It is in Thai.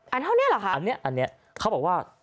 อันเท่านี้เหรอคะอันนี้อันนี้เขาบอกว่า